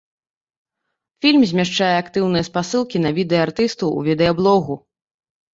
Фільм змяшчае актыўныя спасылкі на відэа артыстаў у відэаблогу.